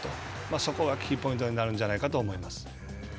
そこがキーポイントになるんじゃないかと思います。